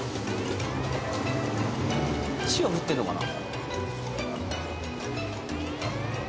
塩振ってんのかな？